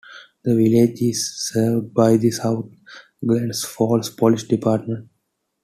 The Village is served by the South Glens Falls Police Department.